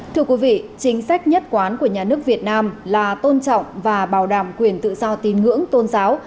thưa quý vị chính sách nhất quán của nhà nước việt nam là tôn trọng và bảo đảm quyền tự do tín ngưỡng tôn giáo